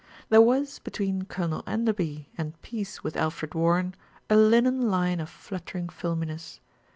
There was between Colonel Enderby and peace with Alfred Warren a linen line of fluttering filminess.